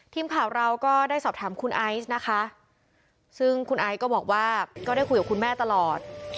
ทีมข่าวเราก็ได้สอบถามคุณไอซ์นะคะซึ่งคุณไอซ์ก็บอกว่าก็ได้คุยกับคุณแม่ตลอด